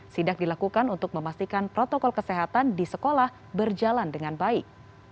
sidak dilakukan untuk memastikan protokol kesehatan di sekolah berjalan dengan baik